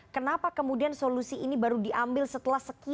kenapa kemudian solusi ini baru diambil setelah sekian